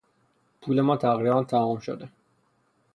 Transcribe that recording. پول ما تقریبا تمام شده.